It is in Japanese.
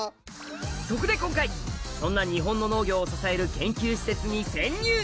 そこで今回そんな日本の農業を支える研究施設に潜入